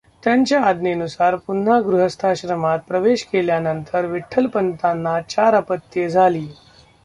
त्यांच्या आज्ञेनुसार पुन्हा गृहस्थाश्रमात प्रवेश केल्यानंतर विठ्ठलपंतांना चार अपत्ये झाली.